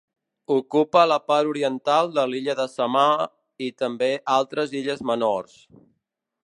Ocupa la part oriental de l'illa de Samar, i també altres illes menors.